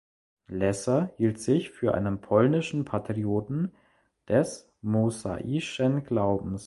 Lesser hielt sich für einen polnischen Patrioten des mosaischen Glaubens.